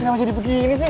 kenapa jadi begini sih